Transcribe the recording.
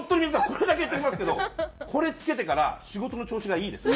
これだけ言っておきますけどこれ着けてから仕事の調子がいいです。